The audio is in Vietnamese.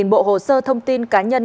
một mươi bộ hồ sơ thông tin cá nhân